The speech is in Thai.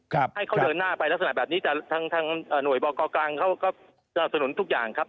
ให้เขาเดินหน้าไปลักษณะแบบนี้แต่ทางทางหน่วยบอกกกลางเขาก็สนับสนุนทุกอย่างครับ